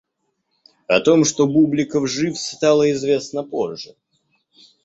О том, что Бубликов жив, стало известно позже.